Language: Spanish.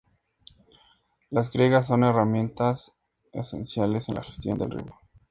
Las griegas son herramientas esenciales en la gestión del riesgo.